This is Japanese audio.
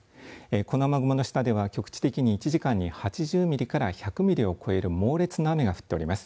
この雨雲の下では局地的に１時間に８０ミリから１００ミリを超える猛烈な雨が降っております。